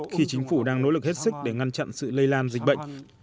khi chính phủ đang nỗ lực hết sức để ngăn chặn sự lây lan dịch bệnh